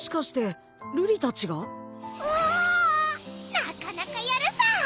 なかなかやるさ！